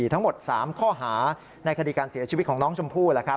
ทั้งหมด๓ข้อหาในคดีการเสียชีวิตของน้องชมพู่